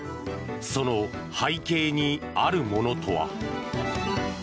その背景にあるものとは。